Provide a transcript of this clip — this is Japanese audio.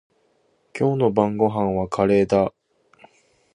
今日の晩ごはんはカレーだ。